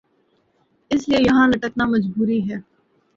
اس لئے یہان لٹکنا مجبوری ہے